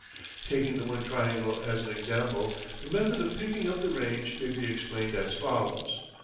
Taking the one triangle as an example, the method of picking up the range may be explained as follows.